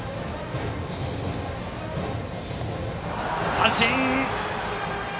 三振！